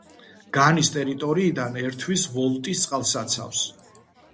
განის ტერიტორიიდან ერთვის ვოლტის წყალსაცავს.